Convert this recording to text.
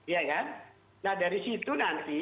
ya kan nah dari situ nanti